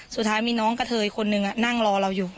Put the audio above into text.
สุดท้ายมีน้องกระเทยคนนึงนั่งรอเราอยู่